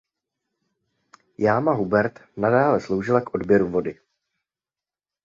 Jáma Hubert nadále sloužila k odběru vody.